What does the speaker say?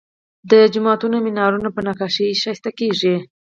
د جوماتونو مینارونه په نقاشۍ ښکلي کیږي.